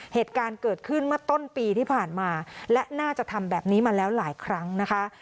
เหตุการณ์เกิดขึ้นเมื่อต้นปีที่ผ่านมาและน่าจะทำแบบนี้มาแล้วหลายครั้งนะคะ